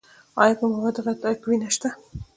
ایا په موادو غایطه کې وینه شته؟